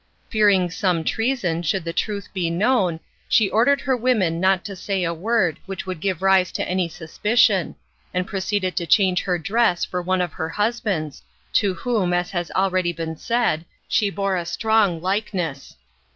Fearing some treason should the truth be known, she ordered her women not to say a word which would give rise to any suspicion, and proceeded to change her dress for one of her husband's, to whom, as has been already said, she bore a strong likeness.